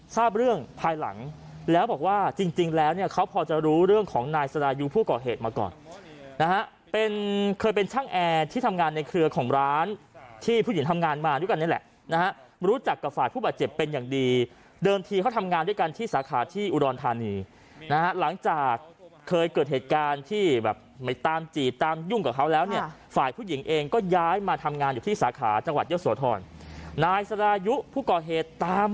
ทราบเรื่องภายหลังแล้วบอกว่าจริงจริงแล้วเนี้ยเขาพอจะรู้เรื่องของนายสดายุผู้ก่อเหตุมาก่อนนะฮะเป็นเคยเป็นช่างแอร์ที่ทำงานในเครือของร้านที่ผู้หญิงทำงานมาด้วยกันนี่แหละนะฮะรู้จักกับฝ่ายผู้บาดเจ็บเป็นอย่างดีเดินทีเขาทำงานด้วยกันที่สาขาที่อุดรณฑานีนะฮะหลังจากเคยเกิดเหตุการณ์ท